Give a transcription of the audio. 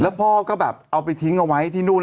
พ่อก็แบบเอาไปทิ้งเอาไว้ที่นู่น